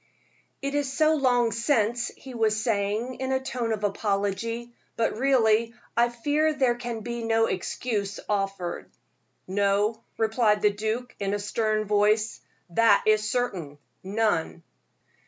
"It is so long since," he was saying, in a tone of apology; "but really I fear there can be no excuse offered." "No," replied the duke, in a stern voice, "that is certain none."